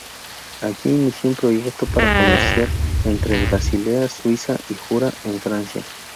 Allí inició un proyecto para comerciar entre Basilea, Suiza, y Jura, en Francia.